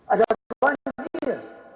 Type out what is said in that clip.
ada kebanyakan di sini